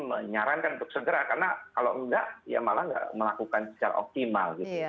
menyarankan untuk segera karena kalau enggak ya malah nggak melakukan secara optimal